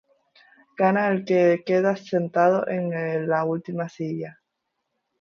Gana el que queda sentado en la última silla.